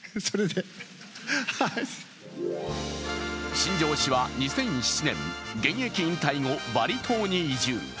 新庄氏は２００７年、現役引退後、バリ島に移住。